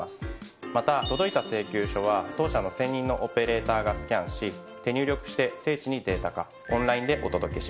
また届いた請求書は当社の専任のオペレーターがスキャンし手入力して精緻にデータ化オンラインでお届けします。